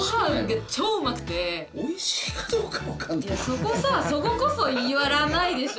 そこさそここそ要らないでしょ。